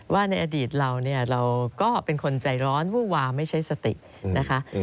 ว่าในอดีตเราเนี่ยเราก็เป็นคนใจร้อนวูบวาไม่ใช้สตินะคะ